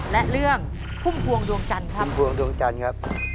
และเรื่องพุ่มพวงดวงจันทร์ครับพุ่มพวงดวงจันทร์ครับ